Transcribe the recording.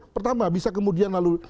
pertama bisa kemudian lalu